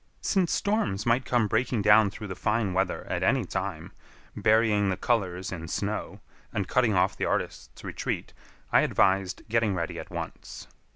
Since storms might come breaking down through the fine weather at any time, burying the colors in snow, and cutting off the artists' retreat, I advised getting ready at once.